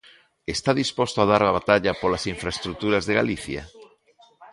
¿Está disposto a dar a batalla polas infraestruturas de Galicia?